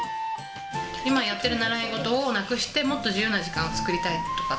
今やっている習い事をなくして、もっと自由な時間を作りたいとか。